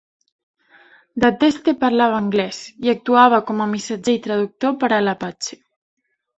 Dahteste parlava anglès i actuava com a missatger i traductor per a l'Apache.